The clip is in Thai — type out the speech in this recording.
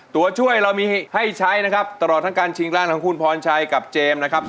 ตัวช่วยเรามีให้ใช้นะครับตลอดทั้งการชิงร้านของคุณพรชัยกับเจมส์นะครับ